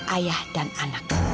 ayah dan anak